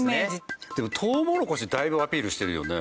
トウモロコシだいぶアピールしてるよね。